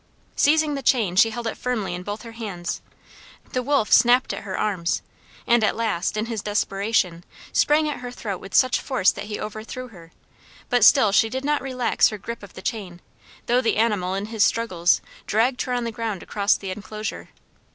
Seizing the chain, she held it firmly in both her hands; the wolf snapped at her arms, and at last, in his desperation, sprang at her throat with such force that he overthrew her, but still she did not relax her grip of the chain, though the animal, in his struggles, dragged her on the ground across the enclosure.